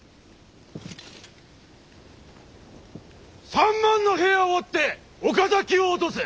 ３万の兵をもって岡崎を落とせ！